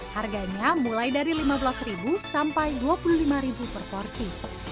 harganya mulai dari rp lima belas sampai rp dua puluh lima per porsi